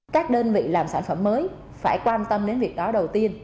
các đơn vị làm sản phẩm mới phải quan tâm đến việc đó đầu tiên